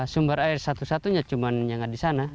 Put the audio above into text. sumber air satu satunya cuma yang ada di sana